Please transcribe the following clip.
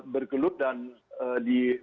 bergelut dan di